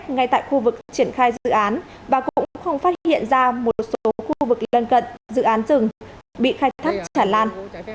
ngay tại khu vực triển khai dự án và cũng không phát hiện ra một số khu vực gần gần dự án rừng bị khai thác tràn lan